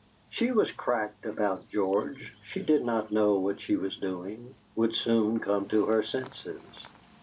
She was cracked about George; she did not know what she was doing; would soon come to her senses.